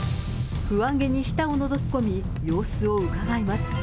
不安げに下をのぞき込み、様子をうかがいます。